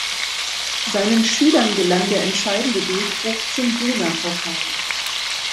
Seinen Schülern gelang der entscheidende Durchbruch zum Buna-Verfahren.